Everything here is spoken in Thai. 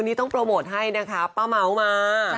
นี่ต้องโปรโมทให้นะคะป้าเม้ามา